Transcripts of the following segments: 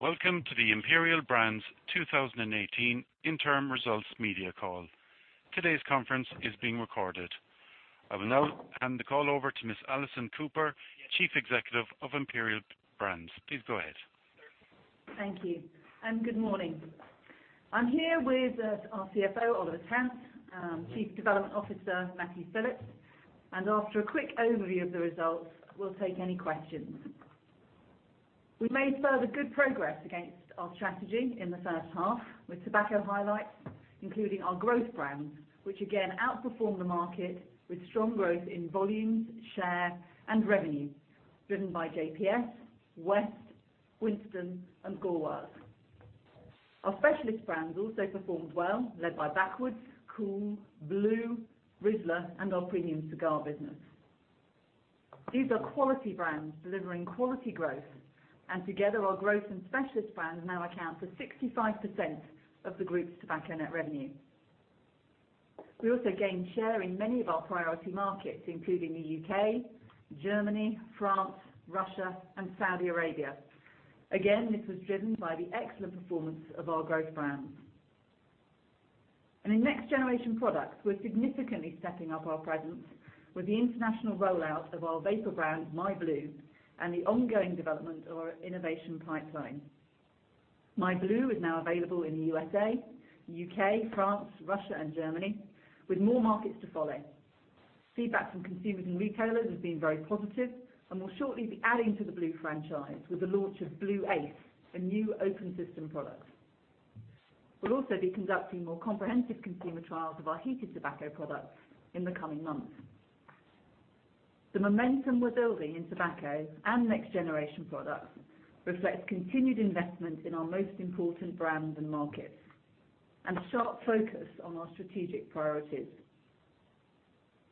Welcome to the Imperial Brands 2018 Interim Results Media Call. Today's conference is being recorded. I will now hand the call over to Ms. Alison Cooper, Chief Executive of Imperial Brands. Please go ahead. Thank you, and good morning. I'm here with our CFO, Oliver Tant, Chief Development Officer, Matthew Phillips, and after a quick overview of the results, we'll take any questions. We've made further good progress against our strategy in the first half with tobacco highlights, including our growth brands, which again outperformed the market with strong growth in volumes, share, and revenue, driven by JPS, West, Winston, and Gauloises. Our specialist brands also performed well, led by Backwoods, Kool, blu, Rizla, and our premium cigar business. These are quality brands delivering quality growth, and together our growth and specialist brands now account for 65% of the group's tobacco net revenue. We also gained share in many of our priority markets, including the U.K., Germany, France, Russia, and Saudi Arabia. Again, this was driven by the excellent performance of our growth brands. In next generation products, we're significantly stepping up our presence with the international rollout of our vapor brand, myblu, and the ongoing development of our innovation pipeline. myblu is now available in the U.S.A., U.K., France, Russia, and Germany, with more markets to follow. Feedback from consumers and retailers has been very positive, and we'll shortly be adding to the blu franchise with the launch of blu ACE, a new open system product. We'll also be conducting more comprehensive consumer trials of our heated tobacco products in the coming months. The momentum we're building in tobacco and next generation products reflects continued investment in our most important brands and markets and sharp focus on our strategic priorities.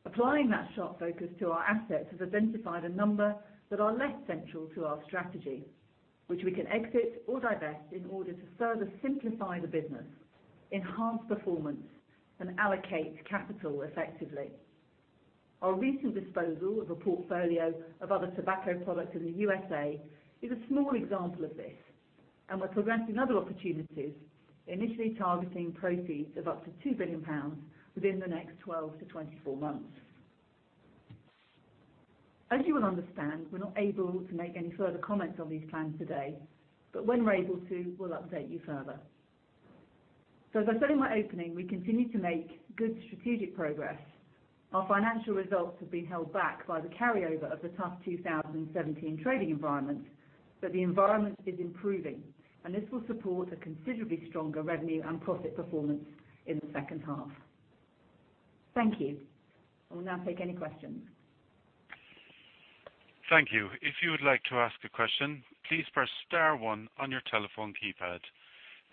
Applying that sharp focus to our assets has identified a number that are less central to our strategy, which we can exit or divest in order to further simplify the business, enhance performance, and allocate capital effectively. Our recent disposal of a portfolio of other tobacco products in the U.S.A. is a small example of this, and we're progressing other opportunities, initially targeting proceeds of up to 2 billion pounds within the next 12 to 24 months. As you will understand, we're not able to make any further comments on these plans today, but when we're able to, we'll update you further. As I said in my opening, we continue to make good strategic progress. Our financial results have been held back by the carryover of the tough 2017 trading environment, but the environment is improving, and this will support a considerably stronger revenue and profit performance in the second half. Thank you. I will now take any questions. Thank you. If you would like to ask a question, please press *1 on your telephone keypad.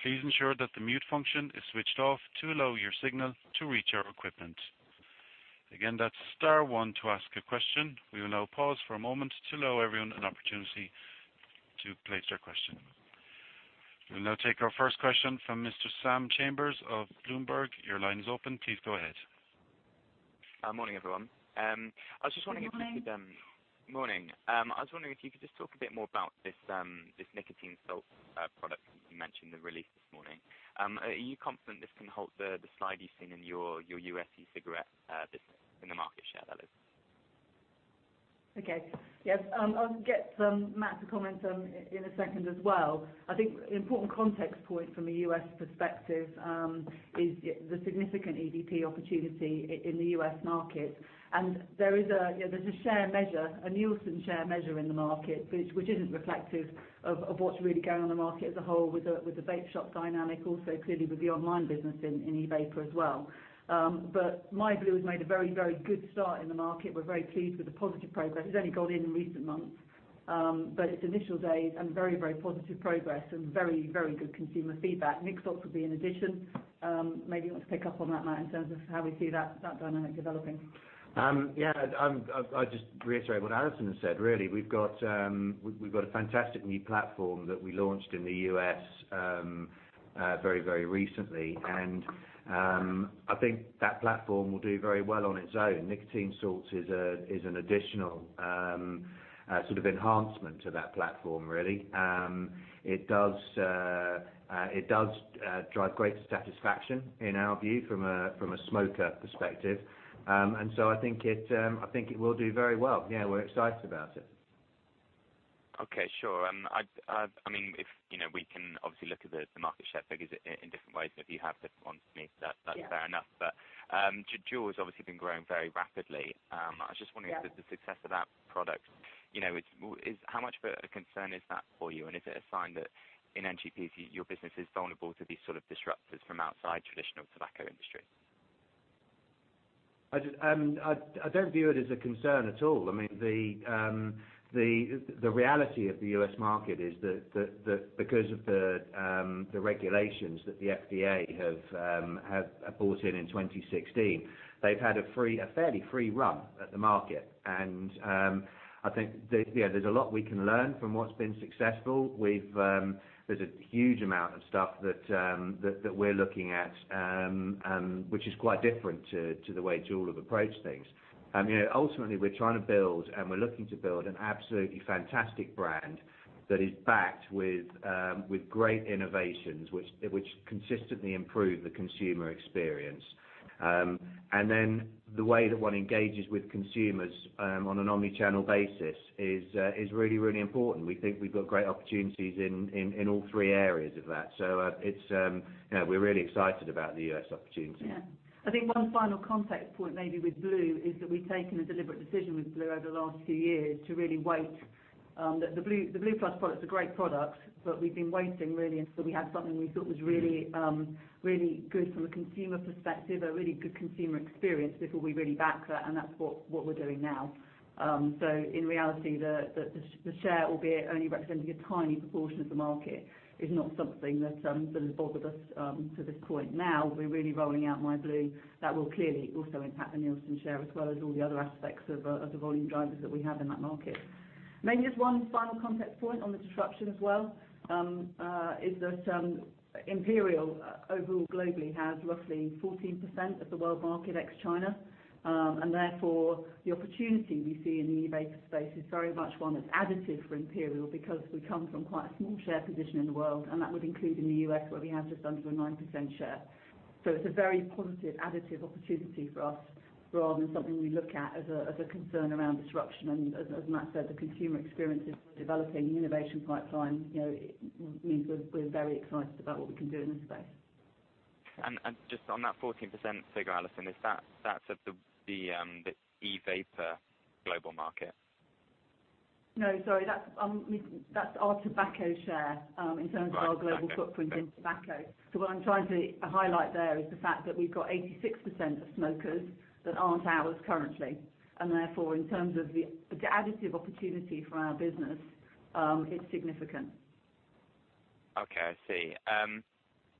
Please ensure that the mute function is switched off to allow your signal to reach our equipment. Again, that's *1 to ask a question. We will now pause for a moment to allow everyone an opportunity to place their question. We'll now take our first question from Mr. Sam Chambers of Bloomberg. Your line is open. Please go ahead. Morning, everyone. Morning. Morning. I was wondering if you could just talk a bit more about this nicotine salt product that you mentioned the release this morning. Are you confident this can halt the slide you've seen in your U.S. e-cigarette business, in the market share, that is? Okay. Yes. I'll get Matt to comment in a second as well. I think the important context point from a U.S. perspective is the significant e-vapor opportunity in the U.S. market, there's a Nielsen share measure in the market, which isn't reflective of what's really going on in the market as a whole with the vape shop dynamic, also clearly with the online business in e-vapor as well. myblu has made a very good start in the market. We're very pleased with the positive progress. It's only gone in in recent months, but its initial days, and very positive progress and very good consumer feedback. Nic salts will be an addition. Maybe you want to pick up on that, Matt, in terms of how we see that dynamic developing. Yeah. I'd just reiterate what Alison has said, really. We've got a fantastic new platform that we launched in the U.S. very recently, and I think that platform will do very well on its own. Nicotine salts is an additional enhancement to that platform, really. It does drive great satisfaction in our view from a smoker perspective. I think it will do very well. Yeah, we're excited about it. Okay, sure. We can obviously look at the market share figures in different ways, if you have different ones to me, that's fair enough. Yeah. Juul has obviously been growing very rapidly. Yeah. I was just wondering, the success of that product, how much of a concern is that for you, and is it a sign that in NGP, your business is vulnerable to these disruptors from outside traditional tobacco industry? I don't view it as a concern at all. The reality of the U.S. market is that because of the regulations that the FDA have bought in 2016, they've had a fairly free run at the market. I think there's a lot we can learn from what's been successful. There's a huge amount of stuff that we're looking at, which is quite different to the way Juul have approached things. Ultimately, we're trying to build, and we're looking to build an absolutely fantastic brand that is backed with great innovations, which consistently improve the consumer experience. Then the way that one engages with consumers on an omni-channel basis is really, really important. We think we've got great opportunities in all three areas of that. We're really excited about the U.S. opportunity. Yeah. I think one final context point maybe with blu is that we've taken a deliberate decision with blu over the last few years to really wait. The blu PLUS+ product is a great product, but we've been waiting really until we had something we thought was really good from a consumer perspective, a really good consumer experience before we really back that, and that's what we're doing now. In reality, the share, albeit only representing a tiny proportion of the market, is not something that has bothered us to this point. Now we're really rolling out myblu. That will clearly also impact the Nielsen share, as well as all the other aspects of the volume drivers that we have in that market. Maybe just one final context point on the disruption as well, is that Imperial overall globally has roughly 14% of the world market ex-China. Therefore the opportunity we see in the e-vapor space is very much one that's additive for Imperial because we come from quite a small share position in the world, and that would include in the U.S., where we have just under a 9% share. It's a very positive additive opportunity for us rather than something we look at as a concern around disruption. As Matt said, the consumer experience is developing, the innovation pipeline means we're very excited about what we can do in this space. Just on that 14% figure, Alison, that's of the e-vapor global market? No, sorry. That's our tobacco share in terms of our global footprint in tobacco. Okay. What I'm trying to highlight there is the fact that we've got 86% of smokers that aren't ours currently, and therefore in terms of the additive opportunity for our business, it's significant. Okay, I see. Yeah.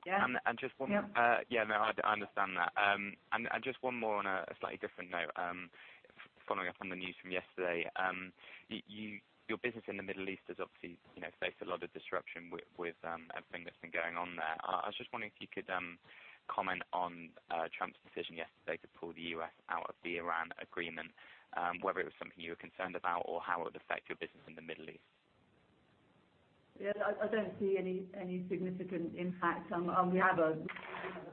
Yeah, no, I understand that. Just one more on a slightly different note, following up on the news from yesterday. Your business in the Middle East has obviously faced a lot of disruption with everything that's been going on there. I was just wondering if you could comment on Trump's decision yesterday to pull the U.S. out of the Iran agreement, whether it was something you were concerned about or how it would affect your business in the Middle East. Yeah, I don't see any significant impact. We have a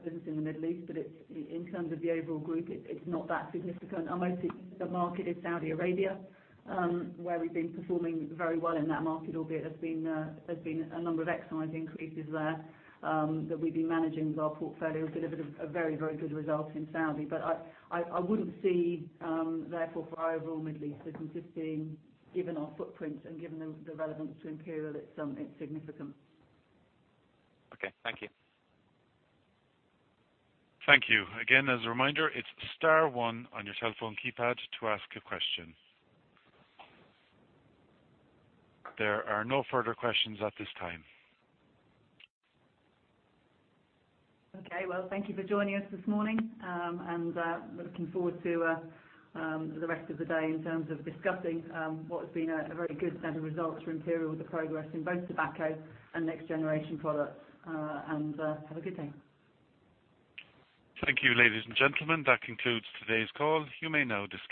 business in the Middle East, but in terms of the overall group, it's not that significant. Our most significant market is Saudi Arabia, where we've been performing very well in that market, albeit there's been a number of excise increases there that we've been managing with our portfolio, delivered a very good result in Saudi. I wouldn't see, therefore, for our overall Middle East business, it being, given our footprint and given the relevance to Imperial, it's insignificant. Okay. Thank you. Thank you. Again, as a reminder, it's star one on your cellphone keypad to ask a question. There are no further questions at this time. Well, thank you for joining us this morning, looking forward to the rest of the day in terms of discussing what has been a very good set of results for Imperial, with the progress in both tobacco and next generation products. Have a good day. Thank you, ladies and gentlemen. That concludes today's call. You may now disconnect.